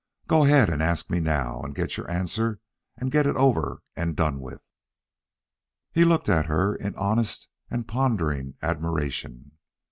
Go ahead and ask me now, and get your answer and get it over and done with." He looked at her in honest and pondering admiration.